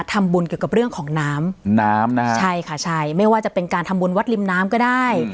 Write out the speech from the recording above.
ทำบุญเกี่ยวกับเรื่องของน้ำน้ำนะฮะใช่ค่ะใช่ไม่ว่าจะเป็นการทำบุญวัดริมน้ำก็ได้